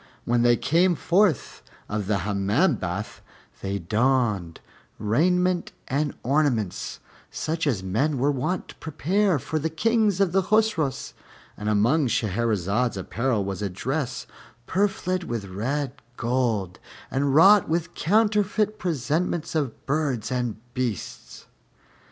When they came forth of the Hammam bath, they donned raiment and ornaments, such as men were wont prepare for the Kings of the Chosroës; and among Shahrazad's apparel was a dress purfled with red gold and wrought with counterfeit presentments of birds and beasts.